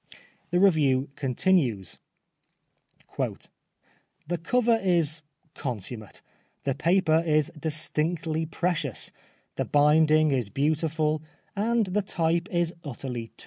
The review continues :" The cover is con summate, the paper is distinctly precious, the binding is beautiful, and the type is utterly too.